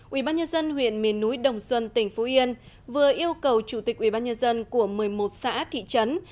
ubnd huyện miền núi đồng xuân tỉnh phú yên vừa yêu cầu chủ tịch ubnd của một mươi một xã thị trấn